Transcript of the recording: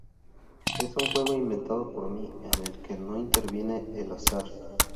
Es un juego inventado por mí, en el que no interviene el azar.